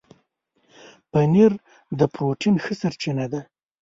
پنېر د پروټين ښه سرچینه ده.